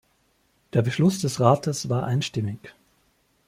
Der Beschluss des Rates war einstimmig.